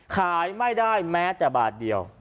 ขายไม่ได้แม้แต่บาทเดียว